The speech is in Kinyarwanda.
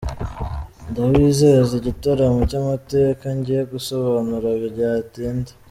Ndabizeza igitaramo cy’amateka ngiye gusobanura byatinda.